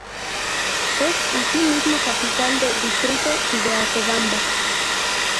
Es asimismo capital del distrito de Acobamba.